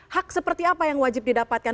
hak seperti apa yang wajib didapatkan